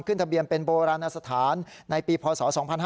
ทะเบียนเป็นโบราณสถานในปีพศ๒๕๕๙